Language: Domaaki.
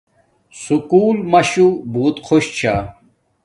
سکوُل ماشو بوت خوش چھا